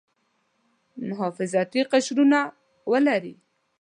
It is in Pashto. محافظتي قشرونه ولري.